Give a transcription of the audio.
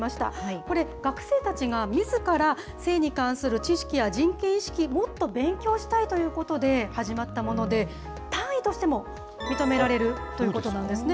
これ、学生たちがみずから性に関する知識や人権意識、もっと勉強したいということで始まったもので、単位としても認められるということなんですね。